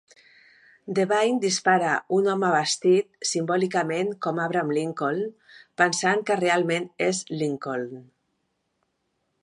Devine dispara un home vestit simbòlicament com Abraham Lincoln, pensant que realment és Lincoln.